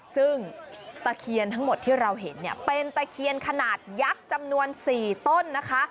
ซึ่งตะเคียนทั้งหมดที่เราเห็นเนี่ยเป็นตะเคียนขนาดยักษ์จำนวน๔ต้นนะคะ